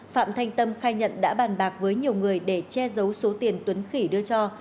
phạm thanh tâm khai nhận đã bàn bạc với nhiều người để che giấu số tiền tuấn khỉ đưa cho